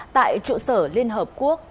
tại trụ sở liên hợp quốc